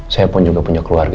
saya pun juga punya keluarga